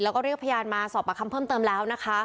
แล้วก็เรียกพยานมาสอบประคำเพิ่มเติมแล้วนะคะ